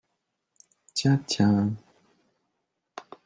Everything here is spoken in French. Tiens, tiens